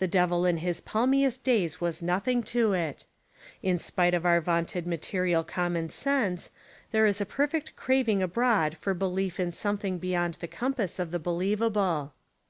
The Devil In his palmiest days was nothing to It. In despite of our vaunted material common sense, there Is a perfect craving abroad for belief in something beyond the compass of the believ able.